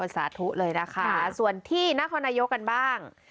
สาธุเลยนะคะส่วนที่นครนายกกันบ้าง